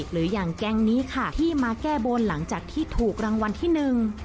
หรืออย่างแก๊งนี้ค่ะที่มาแก้บนหลังจากที่ถูกรางวัลที่หนึ่ง